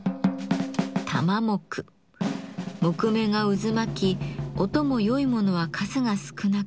木目が渦巻き音も良いものは数が少なくとても貴重です。